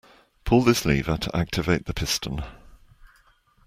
Pull this lever to activate the piston.